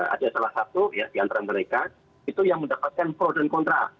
ada salah satu ya di antara mereka itu yang mendapatkan pro dan kontra